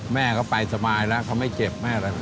แม่เขาไปสบายแล้วเขาไม่เจ็บ